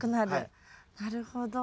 なるほど。